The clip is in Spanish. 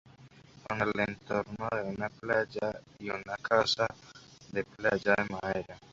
Con el entorno de una playa y una casa de playa de madera.